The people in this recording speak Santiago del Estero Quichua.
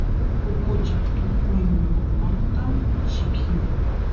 ukucha tukuymamanta llikin